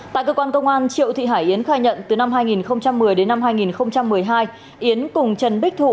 tại cơ quan công an triệu thị hải yến khai nhận từ năm hai nghìn một mươi đến năm hai nghìn một mươi hai yến cùng trần bích thụ